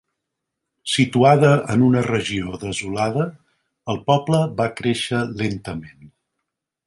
Situada en una regió desolada, el poble va créixer lentament.